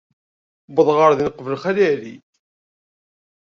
Uwḍeɣ ɣer din uqbel Xali Ɛli.